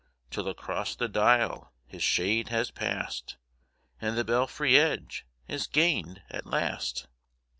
Till across the dial his shade has pass'd, And the belfry edge is gain'd at last.